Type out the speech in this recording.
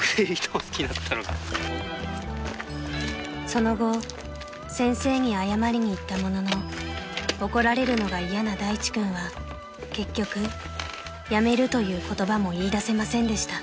［その後先生に謝りに行ったものの怒られるのが嫌な大地君は結局「辞める」という言葉も言いだせませんでした］